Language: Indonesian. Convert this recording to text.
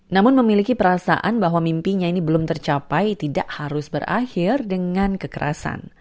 namun memiliki perasaan bahwa mimpinya ini belum tercapai tidak harus berakhir dengan kekerasan